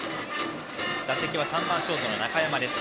打席は３番ショートの中山です。